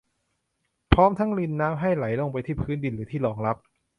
พร้อมทั้งรินน้ำให้ไหลลงไปที่พื้นดินหรือที่รองรับ